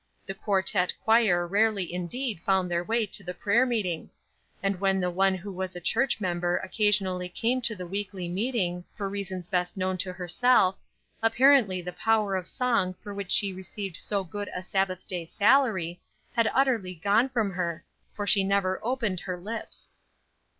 The quartette choir rarely indeed found their way to the prayer meeting; and when the one who was a church member occasionally came to the weekly meeting, for reasons best known to herself, apparently the power of song for which she received so good a Sabbath day salary had utterly gone from her, for she never opened her lips.